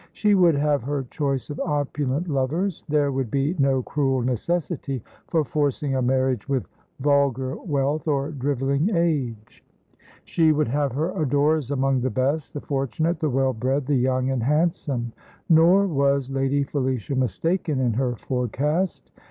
She would have her choice of opulent lovers. There would be no cruel necessity for forcing a marriage with vulgar wealth or drivelling age. She would have her adorers among the best, the fortunate, the well bred, the young and handsome. Nor was Lady Felicia mistaken in her forecast.